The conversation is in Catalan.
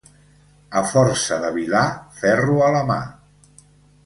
A força de vilà, ferro a la mà.